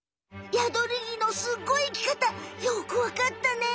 ヤドリギのすっごい生きかたよくわかったね！